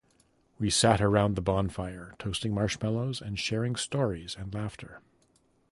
We sat around the bonfire, toasting marshmallows and sharing stories and laughter.